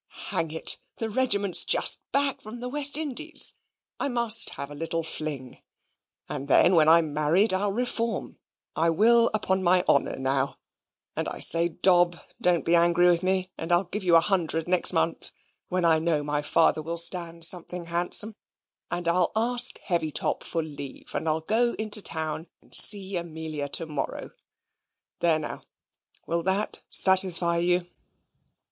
Hang it: the regiment's just back from the West Indies, I must have a little fling, and then when I'm married I'll reform; I will upon my honour, now. And I say Dob don't be angry with me, and I'll give you a hundred next month, when I know my father will stand something handsome; and I'll ask Heavytop for leave, and I'll go to town, and see Amelia to morrow there now, will that satisfy you?"